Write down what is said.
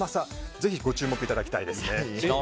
ぜひご注目いただきたいです。